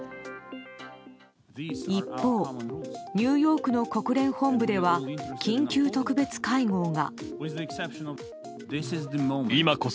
一方ニューヨークの国連本部では緊急特別会合が。